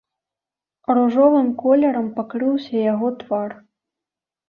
Ружовым колерам пакрыўся яго твар.